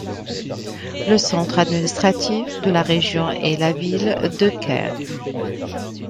Le centre administratif de la région est la ville de Cairns.